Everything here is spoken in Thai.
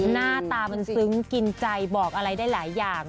หน้าตามันซึ้งกินใจบอกอะไรได้หลายอย่าง